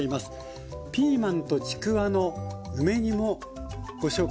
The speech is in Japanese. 「ピーマンとちくわの梅煮」もご紹介してます。